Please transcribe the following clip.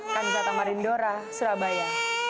kanjata marindora surabaya